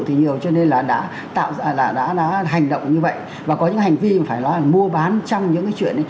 thì nhiều cho nên là đã hành động như vậy và có những hành vi phải nói là mua bán trong những cái chuyện